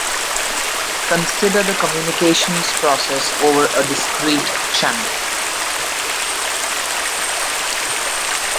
Consider the communications process over a discrete channel.